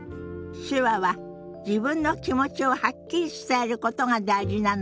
手話は自分の気持ちをはっきり伝えることが大事なのよね。